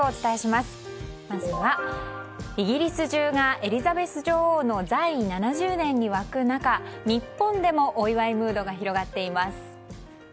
まずはイギリス中がエリザベス女王の在位７０年に沸く中、日本でもお祝いムードが広がっています。